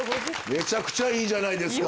めちゃくちゃいいじゃないですか。